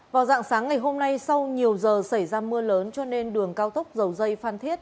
vào dạng sáng ngày hôm nay sau nhiều giờ xảy ra mưa lớn cho nên đường cao tốc dầu dây phan thiết